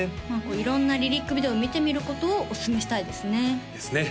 色んなリリックビデオを見てみることをおすすめしたいですねですね